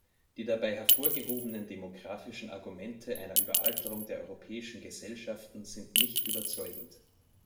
Die dabei hervorgehobenen demografischen Argumente einer Überalterung der europäischen Gesellschaften sind nicht überzeugend.